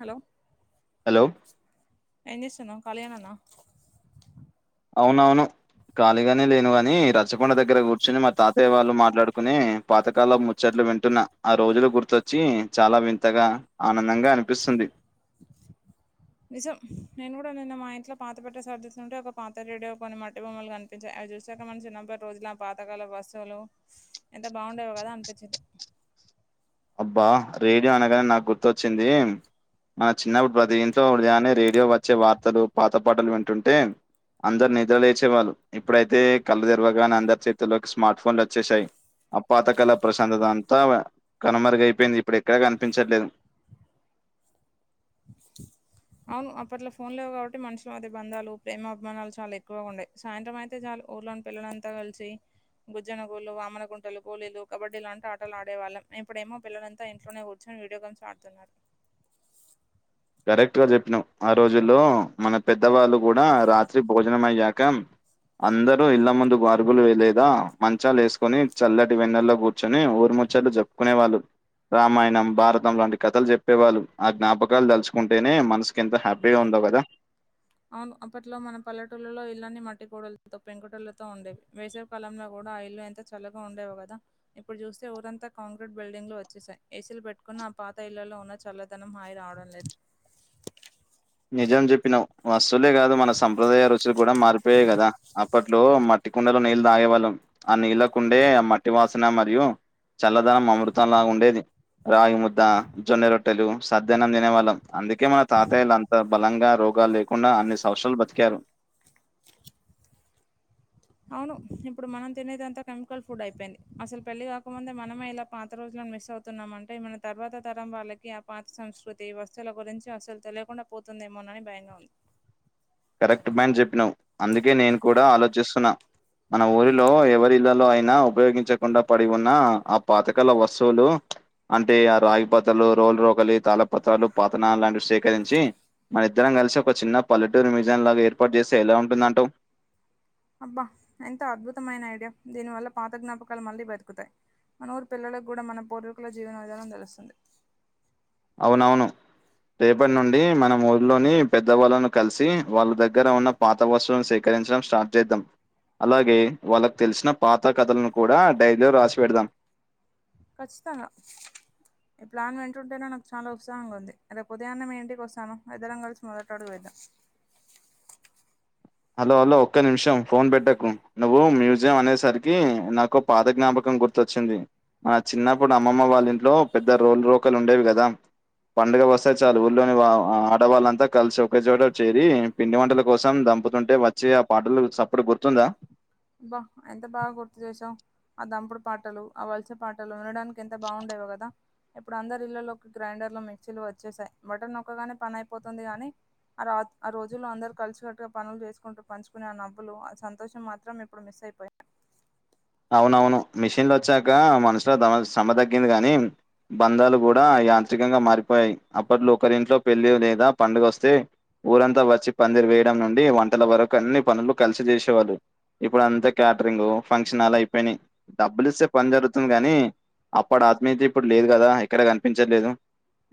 Hello hello ఏం జేస్తున్నవ్ కలీగనేనా ఔనవును కాళీగనే లేనుగనీ రచ్చకొండ దగ్గర గూర్చొని మా తాతయ్య వాళ్ళు మాట్లాడుకునె పాతకాల ముచ్చట్ల్ వింటున్నా ఆ రోజులు గుర్తొచ్చీ చాలా వింతగా ఆనందంగా అన్పిస్తుంది నిజం నేన్గుడ నిన్న మా ఇంట్లో పాత పెట్టె సర్దుతుంటే ఒక పాత రేడియో కొన్ని మట్టి బొమ్మల్ గన్పించాయ్ అవి జూసాక మన చిన్నప్పట్ రోజులు ఆ పాతకాలపు వస్తువులూ ఎంత బావుండేవో గదా అన్పిచ్చింది అబ్బా రేడియో అనగానె నాక్ గుర్తొచ్చిందీ మన చిన్నప్పుడ్ ప్రతి ఇంట్లో వృదయ్యాన్నే రేడియో వచ్చే వార్తలూ పాత పాటల్ వింటుంటే అందర్ నిద్రలేచేవాళ్ళు ఇప్పుడైతే కళ్ళు తెరవగానే అందరి చేతుల్లోకి స్మార్ట్ ఫోన్లోచ్చేస్యాయ్ ఆ పాత కాల ప్రశాందత అంతా ప కనుమరుగైపోయింది ఇప్పుడెక్కడ గనిపించట్లేదు ఔను అప్పట్లో ఫోన్లేవ్ గాబట్టి మనుషుల మధ్య బంధాలు ప్రేమభిమానాలు చాలా ఎక్కువగా ఉండే సాయంత్రం ఐతే చాలు ఊర్లోని పిల్లలంత గల్సీ గుజ్జనగోళ్లు వామనగుంటలు గోలీలు కబడ్డీ లాంట్ ఆటల్ ఆడేవాళ్ళం ఇప్పుడేమో పిల్లల్లంత ఇంట్లోనే గూర్చో నీ వీడియో గేమ్స్ ఆడ్తున్నారు కరెక్ట్ గా జెప్పినావ్ ఆ రోజుల్లో మన పెద్దవాళ్ళు గూడా రాత్రి భోజనం అయ్యాక అందరూ ఇళ్ల ముందు వార్గులు వేయ్ లేదా మంచాలేస్కొని చల్లటి వెన్నెల్లో గూర్చొని ఊరు ముచ్చట్లు జెప్కునే వాళ్ళు రామాయణం భారతం వంటి కథలు జెప్పేవాళ్ళు ఆ జ్ఞాపకాల్ దల్చ్ కుంటేనే మన్సుకి ఎంత హ్యాపీగా ఉందో గదా ఔను అప్పట్లో మన పల్లెటూల్లలో ఇల్లన్నీ మట్టి కోడల్తో పెంకుటిల్లతో ఉండేవి వేసవి కాలంలో గుడ ఆ యిల్లు ఎంత చల్లగా ఉండేవో గద ఇప్పుడ్ జూస్తే ఊరంతా కాంక్రీట్ బిల్డింగ్లు వచ్చేసాయ్ ఏసీల్ పెట్కున్న ఆ పాత ఇళ్లల్లో ఉన్న చల్లదనం హాయి రావడం లేదు నిజం జెప్పినవ్ వస్తువులే గాదు మన సంప్రదాయ రుచులు కూడా మారిపోయాయ్ గదా అప్పట్లో మట్ మట్టి కుండలో నీల్ తాగేవాళ్ళం ఆ నీళ్ళ కుండే అ మట్టి వాసనా మరియు చల్లదనం అమృతంలా ఉండేది రాగి ముద్దా జొన్నె రొట్టెలూ సద్దెన్నం దినేవాళ్ళం అందుకే మన తాతయలం బలంగా రోగాల్లేకుండా అన్ని సవస్రాల్ బతిక్యారు ఔను ఇప్పుడు మనం తినేదంతా కెమికల్ ఫుడ్ ఐపోయింది అసల్ పెళ్లి గాకముందే మనమే ఇలా పాత రోజుల మిస్ అవుతున్నాం అంటే మన తర్వాత తరం వాళ్ళకీ ఆ పాత సంస్కృతి వస్తువుల గురించి అస్సలు తెలియకుండా పోతుం తుందేమోనని బయంగా ఉంది కరెక్ట్ పాయింట్ జెప్పినవ్ అందుకే నేన్ కూడా ఆలోచిస్తున్నా మన ఊరిలో ఎవరిళ్లలో ఐనా ఉపయోగించకుండ పడి ఉన్నా ఆ పాతకాల వస్తువులూ అంటే ఆ రాగి పతలూ రోలు రోకలీ తాళ పత్రాలు పాతనానలంటివి సేకరించీ మనిద్దరం గల్సి ఒక చిన్న పల్లెటూరి మ్యూజియం లాగ ఏర్పాట్ జేస్తే ఎలా ఉంటుందంటవ్ అబ్బా ఎంత అద్భుతమైన ఐడియా దీని వల్ల పాత జ్ఞాపకాల్ మళ్ళీ బతుకుతాయ్ మన ఊర్ పిల్లలగూడ మన పూర్వీకుల జీవన విధానం దెలుస్తుంది ఔనవును రేపట్నుండీ మనం ఊర్లోనీ పెద్దవాళ్ళను కల్సీ వాళ్ళ దగ్గర ఉన్న పాత వస్తువులను సేక రించడం స్టార్ట్ జేద్దం అలాగే వాళ్ళక్ తెల్సిన పాత కథలను కూడా డైరీలో రాసి పెడ్దాం కచ్చితంగ ఈ ప్లాన్ వింటుంటేనే నాకు చాలా ఉత్సాహంగా ఉంది రేప్ ఉదయాన్నే మీ ఇంటికొస్తాను ఇద్దరం గల్సి మొదట అడుగు వేద్దాం హలో హలో ఒక్క నిమిషం ఫోన్ బెట్టకూ నువ్వూ మ్యూజియం అనేసరికీ నాకో పాద జ్ఞాపకం గుర్తొచ్చిందీ ఆ చిన్నప్పుడు అమ్మమ్మ వాళ్లింట్లో పెద్ద రోల్ రోకలుండేవి గదా పండుగ వస్తే చాలు ఊర్లోని ఆడవాళ్ళంతా కలిసి ఒకే చోట చేరి పిండి వంటల కోసం దంప అంటే వచ్చి ఆ పాటలు సప్పుడు గుర్తుందా బా ఎంత బాగా గుర్తు చేసావ్ ఆ దంపుడు పాటలు ఆ వలస పాటలు వినడానికి ఎంత బావుండేవో కదా ఇప్పుడు అందరు ఇళ్లలోకి గ్రైండర్ లో మిక్సీలు వచ్చేసాయి బటన్ నొక్కగానే పని అయిపోతుంది గానీ ఆ రా ఆ రోజుల్లో అందరూ కలిసి కట్టుగా పనులు చేసుకుంటూ పంచుకునే ఆ నవ్వులు ఆ సంతోషం మాత్రం అప్పుడు మిస్ అయిపోయ్ అవునవును మిషిన్ లోచ్చాక మనుషుల దమ శ్రమ తగ్గింది గాని బంధాలు కూడా యంత్రికంగా మారిపోయాయి అప్పట్లో ఒకరింట్లో పెళ్లి లేదా పండుగ వస్తే ఊరంతా వచ్చి పందిరి వేయటం నుండి వంటల వరకు అన్ని పనులు కలిసి చేసేవాళ్ళు ఇప్పుడంతా క్యాటరింగ్ ఫ క్షణాలయిపోయినాయ్ డబ్బులిస్తే పని జరుగుతుంది గాని అప్పడు ఆత్మీయత ఇప్పుడు లేదు కదా ఎక్కడ కనిపించట్లేదు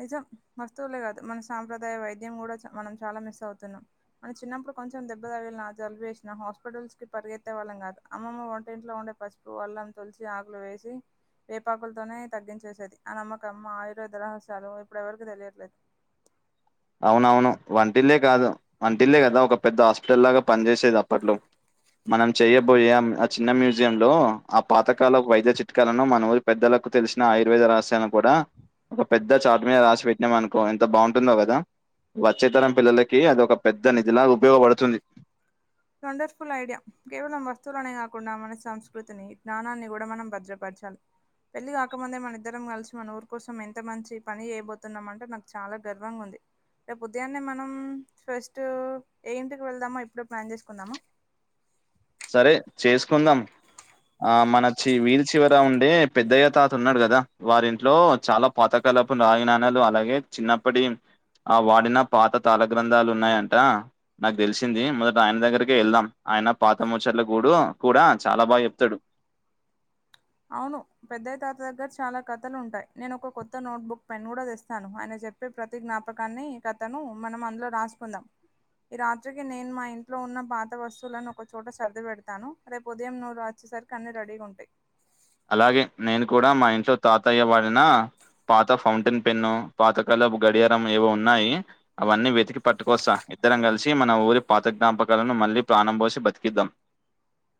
నిజం వస్తువులే కాదు మన సాంప్రదాయ వైద్యం కూడా చ మనం చాలా మిస్ అవుతున్నాం మన చిన్నప్పుడు కొంచెం దెబ్బదగిలిన జలుబు చేసిన హాస్పిటల్ కి పరిగెత్తే వాళ్ళం కాదు అమ్మమ్మ వంటింట్లో ఉండే పసుపు వాళ్ తులసి ఆకులు వేసి వేపాకులతోనే తగ్గించేసేది ఆ నమ్మక అమ్మ ఆయుర్వేద రహస్ చాలు ఇప్పుడు ఎవరికి తెలియట్లేదు అవునవును వంటిల్లే కాదు వంటిల్లే కదా ఒక పెద్ద హాస్పిటల్ లాగా పనిచేసేది అప్పట్లో మనం చెయ్యబోయే ఆ చిన్న మ్యూజియ లో ఆ పాతకాల వైద్య చిట్కాలను మన పెద్దల నా తెలిసిన ఆయుర్వేద రహస్యాలు కూడా ఒక పెద్ద చాటు మీద రాసి పెట్టినాం అనుకో ఎంత బాగుంటుందో కదా వచ్చేతరం పిల్లలకి అది ఒక పెద్ద నిధిలాగా ఉపయోగపడుతుంది వండర్ఫుల్ ఐడియా కేవలం వస్తువులనే కాకుండా మన సంస్కృతిని జ్ఞానాన్ని కూడా మనం భద్రపడ చాలి పెళ్లి కాకముందే మన ఇద్దరం కలిసి మన ఊరు కోసం ఎంత మంచి పని చేయబోతున్నామంటే నాకు చాలా గర్వంగా ఉంది రేపు ఉదయాన్నే మనం ఫస్ట్ ఏ ఇంటికి వెళ్దామో ఇప్పుడో ప్లాన్ చేసుకు కుందామా సరే చేసుకుందాం ఆ మన చి విధి చివర ఉండే పెద్ద్య తాత ఉన్నాడు కదా వారింట్లో చాలా పాతక కాలపు రాగి నాణాలు అలాగే చిన్నప్పటి ఆ వాడిన పాత తాలగ్రంథాలు ఉన్నాయంట నాకు తెలిసింది మొదట ఆయన దగ్గరికే వెళ్దాం ఆయన పాతముచట్ల గడు కూడా చాలా బాగా చెప్తాడు అవును పెద్దయ తాత దగ్గర చాలా కథలు ఉంటాయి నేను ఒక కొత్త నోట్బుక్ పెన్ కూడా తెస్తాను ఆయన చెప్పే ప్రతి జ్ఞాపకాన్ని కథను మనం అందులో రాసుకుందాం ఈ రాత్రికి నేను మా ఇంట్లో ఉన్న పాత వస్తువులను ఒక చోట సర్ది పెడతాను రేపు ఉదయం నువ్వు రాస్ సార్ అన్ని రెడీగా ఉంటాయి అలాగే నేను కూడా మా ఇంట్లో తాతయ్య వాడిన పాత ఫౌంటైన్ పెన్ను పాత కాలపు గడియారం ఏవో ఉన్నాయి అవన్నీ వెతికి పట్టుకొస్తా ఇద్దరం కలిసి మన ఊరి పాత జ్ఞాపకాలను మళ్ళీ ప్రాణం పోసి బతికిద్దాం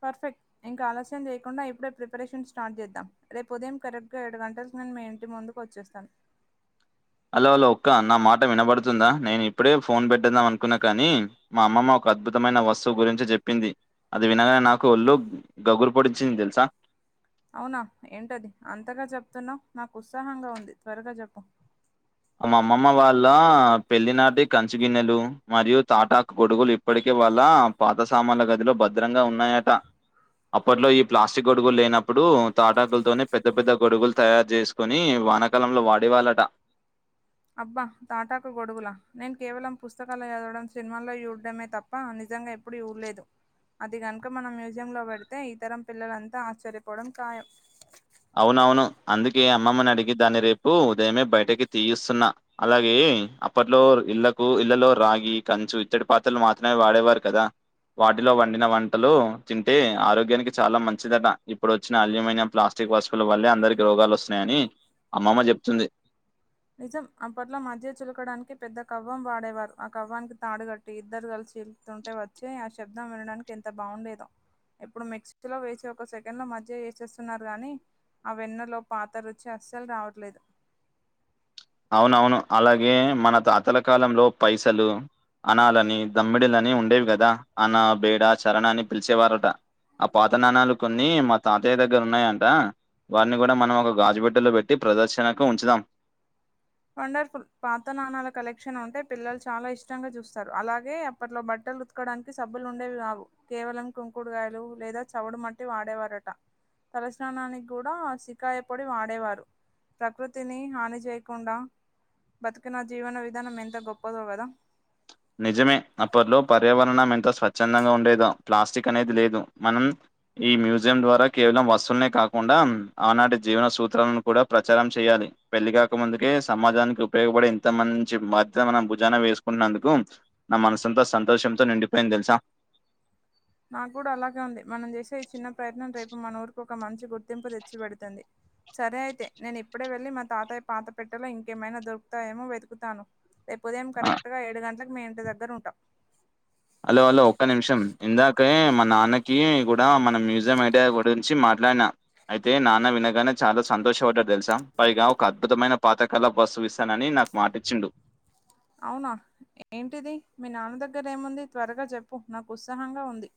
పర్ఫెక్ట్ ఇంకా ఆలస్యం చేయకుండా ఇప్పుడే ప్రిపరేషన్ స్టార్ట్ చేద్దాం రేపు ఉదయం కరెక్ట్గా ఏడు గంటల నేను మీ ఇంటి ముందుకు వచ్చేస్తాను హలో హలో ఒక్క నా మాట వినబడుతుందా నేను ఇప్పుడే ఫోన్ పెట్టద్దాం అనుకున్నా కాని మా అమ్మమ్మ అద్భుతమైన వస్తువు గురించి చెప్పింది అది వినగానే నాకు ఒళ్ళు గగుర్పొడించింది తెలుసా అవునా ఏంటది అంతగా చెప్తున్నావు నాకు ఉత్సాహంగా ఉంది త్వరగా చెప్పు మా అమ్మమ్మ వాళ్ళ పెళ్లి నాటి కంచు గిన్నెలు మరియు తాటాకు గొడుగులు ఇప్పటికే వాళ్ళ పాత సామాన్ల గదిలో భద్రంగా ఉన్నాయట అప్పట్లో ఈ ప్లాస్టిక్ గొడుగులు లేనప్పుడు తాటాకులతోనే పెద్ద పెద్ద గొడుగులు తయారు చేసుకొని వానాకాలంలో వాడేవాళ్ళట అబ్బా తాటాకు గొడుగులా నేను కేవలం పుస్తకాలు చదవడం సినిమాల్లో చూడడమే తప్ప అని నిజంగా ఎప్పుడు చూళ్ళేదు అది కనుక మనం మ్యూజియంలో పెడితే ఇతరం పిల్లలంతా ఆశ్చర్యపోవడం ఖాయం అవునవును అందుకే అమ్మమ్మని అడిగి దాన్ని రేపు ఉదయమే బయటకి తీయిస్తున్నా అలాగే అప్పట్లో ఇళ్లకు ఇళ్లలో రాగి కంచు ఇత్తడి పాత్రలు మాత్రమే వాడేవారు కదా వాటిలో వండిన వంటలు తింటే ఆరోగ్యానికి చాలా మంచిదట ఇప్పుడు వచ్చిన అల్యూమినియం ప్లాస్టిక్ స్క్ హాస్పిటల్ వల్ అందరికి రోగాలు వస్తున్నాయని అమ్మమ్మ చెప్తుంది నిజం అప్పట్లో మధ్య చులకడానికి పెద్ద కవ్వం వాడేవారు ఆ కవ్వానికి తాడు కట్టి ఇద్దరు కలిసి చితుంటే వచ్చి ఆ శబ్దం వినడానికి ఎంత బాగుండేదో ఇప్పుడు మిక్సీ లో వేసి ఒక సెకండ్ లో మధ్య వేసేస్తున్నారు గాని ఆ వెన్నలో పాత రుచి అస్సలు రావట్లేదు అవునవును అలాగే మన తాతల కాలంలో పైసలు అనాలని దమ్మిడిలని ఉండేవి గదా అన బేడ చరణ అని పిలిచేవారట ఆ పాత నాణాలు కొన్ని మా తాతయ్య దగ్గర ఉన్నాయంట వారిని కూడా మనం ఒక గాజుబెట్టలో పెట్టి ప్రదర్శనకు ఉంచుదాం వండర్ఫుల్ పాత నాణాల కలెక్షన్ ఉంటే పిల్లలు చాలా ఇష్టంగా చూస్తారు అలాగే అప్పట్లో బట్ బట్టలు ఉత్కడానికి సబ్బులు ఉండేవి కావు కేవలం కుంకుడుగాయలు లేదా చవుడు మట్టి వాడేవారట తలస్నానానికి కూడా సికాయపొడి వాడేవారు ప్రకృతిని హాని చే కుండా బతికిన జీవన విధానం ఎంత గొప్పదో గదా నిజమే అప్పట్లో పర్యావరణం ఎంత స్వచ్ఛందంగా ఉండేదో ప్లాస్టిక్ అనేది లేదు మనం ఈ మ్యూజియం ద్వారా కేవలం వస్తులనే కాకు ండా ఆనాటి జీవన సూత్రాలను కూడా ప్రచారం చేయాలి పెళ్లి కాక ముందుకే సమాజానికి ఉపయోగప ఇంత మంచి మధ మన భుజాన వేసుకుంటున్నందుకు నా మనసంతా సంతోషంతో నిండిపోయింది తెలుసా నాకు కూడా అలాగే ఉంది మనం చేసే ఈ చిన్న ప్రయత్నం రేపు మన ఊరుకో క మంచి గుర్తింపు తెచ్చిపెడుతంది సరే అయితే నేను ఇప్పుడే వెళ్ళి మా తాతయ్య పాత పెట్టలో ఇంకేమైనా దొరుకుతాయేమో వెతుకుతాను రేపు ఉదయం ఆ, కరెక్ట్ గా ఏడు గంట్లకు మీ ఇంటి దగ్గర ఉంటా హలో అలో ఒక్క నిమిషం ఇందాకే మా నాన్నకి కూడా మన మ్యూజియం ఐడియా గురించి మా ట్లానా అయితే నాన్న వినగానే చాలా సంతోషపడ్డాడు తెలుసా పైగా ఒక అద్భుతమైన పాతకళప్ వస్ చూపిస్తానని నాకు మాటిచ్చిండు అవునా ఏంటిది మీ నాన్న దగ్గర ఏముంది త్వరగా చెప్పు నాకు ఉత్సాహంగా ఉంది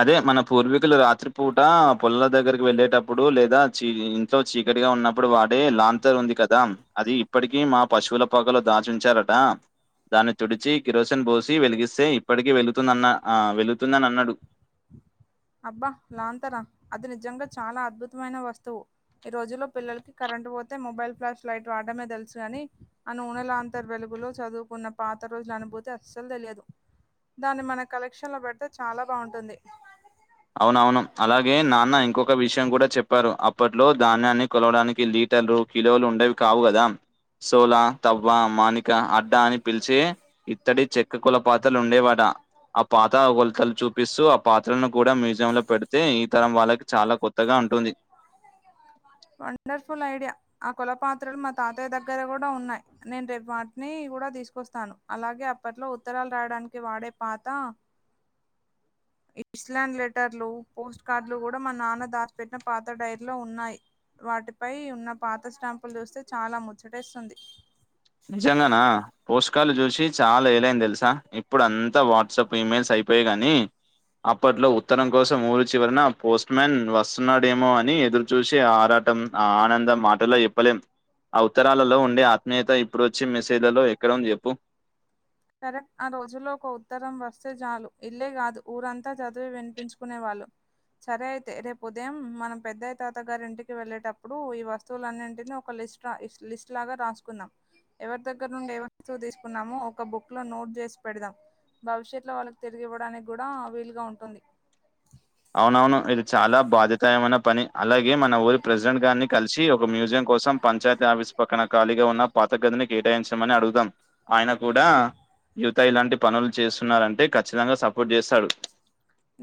అదే మన పూర్వీకులు రాత్రి పూట పొలల దగ్గరికి వెళ్ళలేటప్పుడు లేదా చీ ఇంట్లో చీకటి ఉన్నప్పుడు వాడే లాంతర్ ఉంది కదా అది ఇప్పటికీ మా పశువుల పాకలో దాచుంచారట దాన్ని తుడిచి కిరోసిన్ బోసి వెలిగిస్తే ఇప్పటికి వెళతుందన్న అ వెల్ తుందని అన్నాడు అబ్బా లాంతరా అది నిజంగా చాలా అద్భుతమైన వస్తువు ఈ రోజుల్లో పిల్లలకి కరెంట్ పోతే మొబైల్ ఫ్లాష్ లైట్ వాడమే తెలుసుగాని అనూనెలాంతర్ వెలు గులో చదువుకున్న పాత రోజుల అనుభూతి అస్సలు తెలియదు దాన్ని మన కలెక్షన్ లో పెడితే చాలా బాగుంటుంది అవునవును అలాగే ఇప్పట్లో ధాన్యాన్ని కొలవడానికి లీటర్లు కిలోలు ఉండేవి కావు కదా సోలా తవ్వ మాణిక అడ్డా అని పిలిచి ఇత్తడి చెక్క కులపాతలు ఉండేవాడా ఆ పాత ఒల్తలు చూపిస్తూ ఆ పాత్రలను కూడా మ్యూజియంలో పెడితే ఈ తరం వాళ్ళకి చాలా కొత్తగా ఉంటుంది వండర్ఫుల్ ఐడియా ఆ కొల పాత్రలు మా తాతయ్య దగ్గర కూడా ఉన్నాయి నేను రేపు వాటిని కూడా తీసుకొస్తాను అలాగే అప్పట్లో ఉత్తరాలు రాయడానికి వాడే పాత ఇస్లాం లెటర్లు పోస్ట్ కార్డులు కూడా మా నాన్న దాచిపెట్టిన పాత్ర డైరీలో ఉన్నాయి వాటిపై ఉన్న పాత స్టాంపులు చూస్తే చాలా ముచ్చటేస్తుంది నిజంగానా పోస్ట్ కాడ్లు చూసి చాలా ఏలైంది తెల్సా ఇప్పుడు అంతా వాట్సాప్ ఇమెయిల్స్ అయి పోయి గాని అప్పట్లో ఉత్తరం కోసం ఊరు చివరిన పోస్ట్ మన్ వస్తున్నాడేమో అని ఎదురు చూసి ఆరా టం ఆ ఆనందం మాటల్లో చెప్పలేం ఆ ఉత్తరాలలో ఉండే ఆత్మీయత ఇప్పుడోచ్చి మెసేజ్లలో ఎక్కడుంది చెప్పు కరెక్ట్ ఆ రోజులో ఒక ఉత్తరం వస్తే చాలు ఇల్లే కాదు ఊరంతా చదివి వినిపించుకునేవాళ్ళు సరే అయితే రేపు ఉదయం మన పెద్దయ్యా తాత గారి ఇంటికి వెళ్ళేటప్పుడు ఈ వస్తువులన్నింటిని ఒక ఎస్ట్రా లిస్ లిస్ట్ లాగా రాసుకుందాం ఎవరి దగ్గర నుండి ఏ వస్తువు తీసుకున్నామో ఒక బుక్ లో నోట్ చేసి పెడదాం. భవిష్యత్లో వాళ్ళకి తిరిగి ఇవ్వడానికి కూడా వీలుగా ఉంటుంది. అవునవును ఇది చాలా బాధ్యతాయమైన పని అలాగే మన ఊరి ప్రెసిడెంట్ గారిని కలిసి ఒక మ్యూజియం కోసం పంచాయతీ ఆఫీసు పక్కన ఖాళీగా ఉన్న పాత గదినీ కేటాయించమని అడుగుదాం ఆయన కూడా యువత ఇలాంటి పనులు చేస్తున్నారంటే ఖచ్చితంగా సపోర్ట్ చేస్తాడు.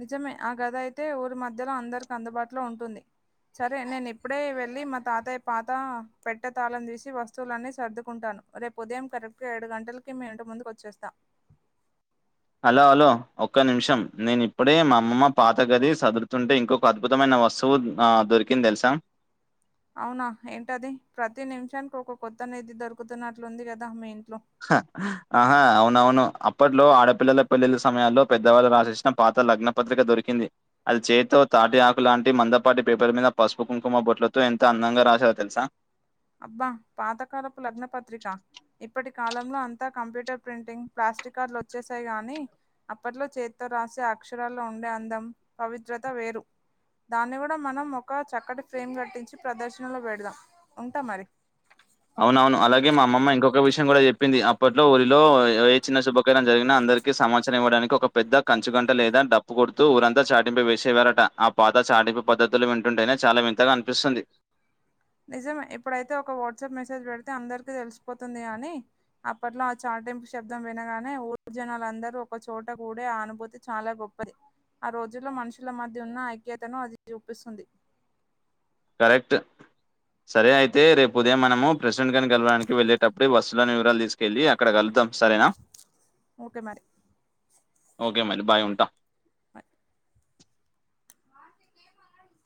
నిజమే ఆ గది అయితే ఊరి మధ్యలో అందరికి అందుబాటులో ఉంటుంది. సరే నేను ఇప్పుడే వెళ్ళి మా తాతయ్య పాత పెట్టే తాళం తీసి వస్తువులన్నీ సర్దుకుంటాను. రేపు ఉదయం కరెక్ట్ గా ఏడు గంటలకి మీ ఇంటి ముందుకు వచ్చేస్తా హలో హలో ఒక్క నిమిషం నేను ఇప్పుడే మా అమ్మమ్మ పాత గది సదురుతుంటే ఇంకొక అద్భుతమైన వస్తువు ఆ దొరికింది తెలుసా? అవునా ఏంటది ప్రతి నిమిషానికి ఒక కొత్త నిధి దొరుకుతున్నట్లు ఉంది కదా మీ ఇంట్లో హా ఆ అవును అవును అప్ అప్పట్లో ఆడపిల్లల పెళ్లిళ్ల సమయాలో పెద్దవాళ్ళు రాసేసిన పాత లగ్నపత్రిక దొరికింది అది చేతితో తాటిఆకు లాంటి మందపాటి పేపర్ల మీద పసుపు, కుంకుమ బొట్లతో ఎంత అందంగా రాశారో తెలుసా. అబ్బా పాతకాలపు లగ్న పత్రికా ఇప్పటి కాలంలో అంతా కంప్యూటర్ ప్రింటింగ్ ప్లాస్టిక్ కార్డ్లు వచ్చేసాయి గాని అప్పట్లో చేతితో రాసే అక్షరాల్లో ఉండే అందం, పవిత్రత వేరు. దాన్ని కూడా మనం ఒక చక్కటి ఫ్రేమ్ కట్టించి ప్రదర్శనలో పెడదాం. ఉంటా మరి అవునవును అలాగే మా అమ్మమ్మ ఇంకొక విషయం కూడా చెప్పింది. అప్పట్లో ఊరిలో ఏ చిన్న శుభకార్య జరిగినా అ అందరికి సమాచారం ఇవ్వడానికి ఒక పెద్ద కంచుగంట లేదా డప్పు కొడుతూ ఊరంతా చాటింపే వేసేవారట ఆ పాత చాటింపు పద్ధతులు వింటుంటేయినే చాలా వింతగా అనిపిస్తుంది. నిజమె ఇప్పుడైతే ఒక వాట్సాప్ మెసేజ్ పెడితే అందరికిీ తెలిసిపోతుంది అని అప్పట్లో ఆ చాటింపు శబ్దం వినగానే ఊరుజనాలందరూ ఒక చోటకూడే ఆ అనుభూతి చాలా గొప్ప ది ఆ రోజుల్లో మనుషుల మధ్య ఉన్న ఐక్యతను అది చూపిస్తుంది. కరెక్ట్ సరే అయితే రేపు ఉదయం మనము ప్రెసిడెంట్ గారిని గెలవడానికి వెళ్ళేటప్పుడు బస్సులోని వివరాలు తీసుకెళ్ళి అక్కడ కలుద్దాం. సరేనా ఒకే మరి ఒకే మళ్ళీ బాయ్ ఉంటా. బాయ్ వాసుకి ఏమనడు స